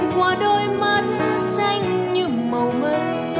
qua đôi mắt xanh như màu mây